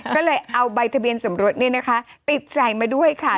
ก็เลยเอาใบทะเบียนสมรสเนี่ยนะคะติดใส่มาด้วยค่ะ